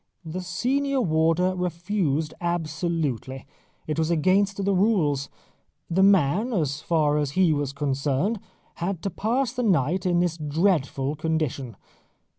The senior warder refused absolutely; it was against the rules. The man, as far as he was concerned, had to pass the night in this dreadful condition.